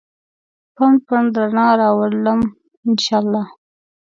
پنډ ، پنډ رڼا راوړمه ا ن شا الله